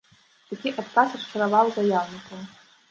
Такі адказ расчараваў заяўнікаў.